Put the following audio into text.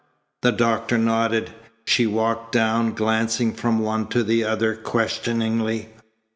The doctor nodded. She walked down, glancing from one to the other questioningly.